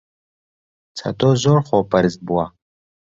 چەتۆ زۆر خۆپەرست بووە.